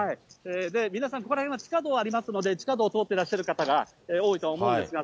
皆さん、ここら辺は地下道ありますので、地下道通ってらっしゃる方が多いとは思うんですが、